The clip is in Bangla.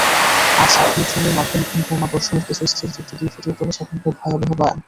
আছে ভিয়েতনামে মার্কিন বোমাবর্ষণের কিছু স্থিরচিত্র দিয়ে ফুটিয়ে তোলা সেখানকার ভয়াবহতার বয়ান।